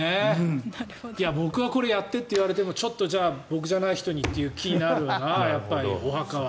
僕はこれやってと言われても僕じゃない人にという気になるよなお墓は。